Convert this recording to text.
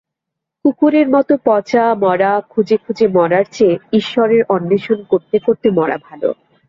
কুকুরের মত পচা মড়া খুঁজে খুঁজে মরার চেয়ে ঈশ্বরের অন্বেষণ করতে করতে মরা ভাল।